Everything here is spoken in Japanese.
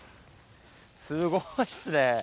すごいっすね。